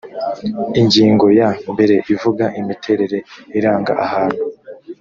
ingingo y mbere ivuga imiterere iranga ahantu